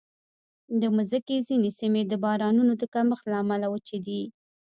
د مځکې ځینې سیمې د بارانونو د کمښت له امله وچې دي.